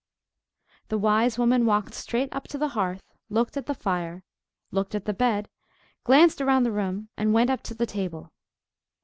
The wise woman walked straight up to the hearth, looked at the fire, looked at the bed, glanced round the room, and went up to the table.